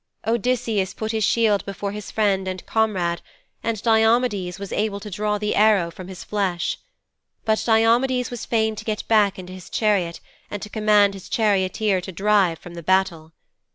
Odysseus put his shield before his friend and comrade, and Diomedes was able to draw the arrow from his flesh. But Diomedes was fain to get back into his chariot and to command his charioteer to drive from the battle.'